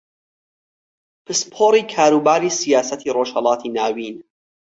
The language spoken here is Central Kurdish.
پسپۆڕی کاروباری سیاسەتی ڕۆژھەڵاتی ناوین